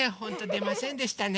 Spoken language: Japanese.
でませんでしたね。